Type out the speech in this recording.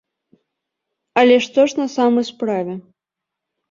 Але што ж на самай справе?